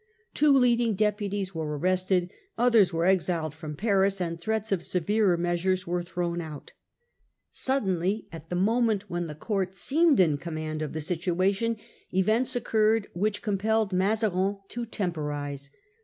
Two leading deputies were arrested, others were exiled from Paris, and threats of severer measures were thrown out. Suddenly, at the moment when the court seemed in command of the situation, events occurred which com The court pelled Mazarin to temporise.